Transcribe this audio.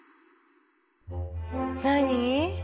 何？